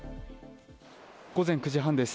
午前９時半です。